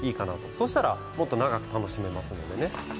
そしたらもっと長く楽しめますね。